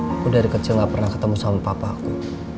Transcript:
aku dari kecil gak pernah ketemu sama papa aku